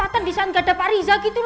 sumpah kan disana gak ada pak rija gitu